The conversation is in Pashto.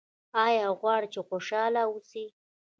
ایا غواړئ چې خوشحاله اوسئ؟